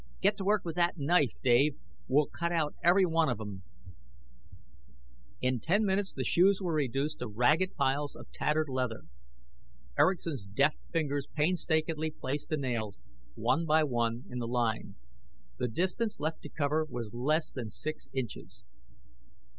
Get to work with that knife, Dave. We'll cut out every one of 'em!" In ten minutes, the shoes were reduced to ragged piles of tattered leather. Erickson's deft fingers painstakingly placed the nails, one by one, in the line. The distance left to cover was less than six inches!